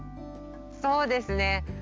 そうですね。